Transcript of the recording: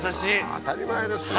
当たり前ですよ。